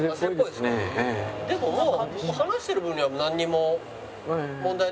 でももう。